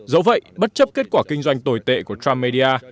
dẫu vậy bất chấp kết quả kinh doanh tồi tệ của trump media